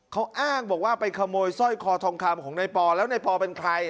เขาอ้างบอกว่าไปขโมยสร้อยคอทองคำของนายปอแล้วในปอเป็นใคร